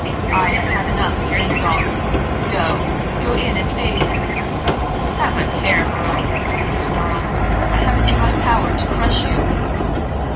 I have had enough of your insults. Go! Go in and face " "Have a care, girl!" he snarled. "I have it in my power to crush you."